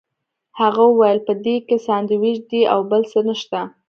هغه وویل په دې کې ساندوېچ دي او بل څه نشته.